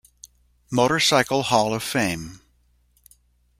Motorcycle Hall of Fame.